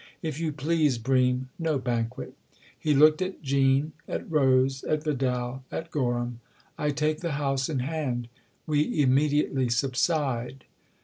" If you please, Bream no banquet." He looked at Jean, at Rose, at Vidal, at Gorham. " I take the house in hand. We immediately subside."